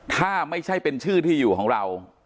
ถ้าไม่ใช่เป็นชื่อที่อยู่ของเรา